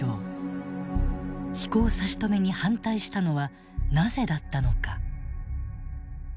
飛行差し止めに反対したのはなぜだったのか。